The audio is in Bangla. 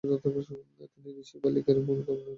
তিনি ঋষি বাল্মীকির ভূমিকায় অভিনয় করেছিলেন।